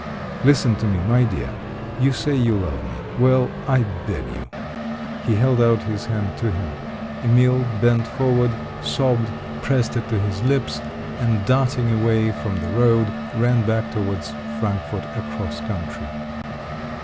Listen to me, my dear! You say you love me. Well, I beg you!" He held out his hand to him. Emil bent forward, sobbed, pressed it to his lips, and darting away from the road, ran back towards Frankfort across country.